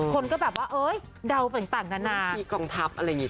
คนก็แบบว่าเอ้ยเดาต่างนานาที่กองทัพอะไรอย่างนี้